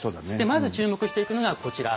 まず注目していくのがこちら。